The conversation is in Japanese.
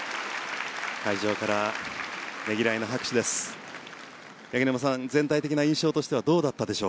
会場からねぎらいの拍手です。